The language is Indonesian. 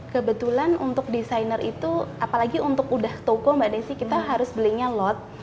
kebetulan untuk desainer itu apalagi untuk udah toko mbak desy kita harus belinya lot